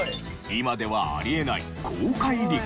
今ではあり得ない公開離婚相談。